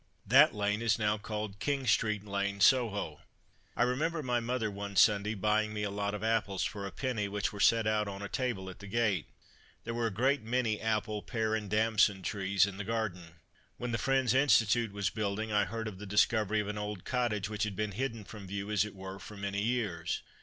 That lane is now called "King street lane, Soho." I remember my mother, one Sunday, buying me a lot of apples for a penny, which were set out on a table at the gate. There were a great many apple, pear, and damson trees in the garden. When the Friends' Institute was building I heard of the discovery of an old cottage, which had been hidden from view as it were for many years.